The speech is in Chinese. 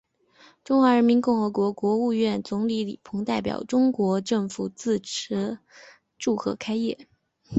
中华人民共和国国务院总理李鹏代表中国政府致词祝贺开业。